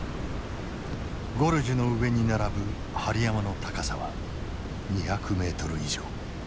ゴルジュの上に並ぶ針山の高さは２００ｍ以上。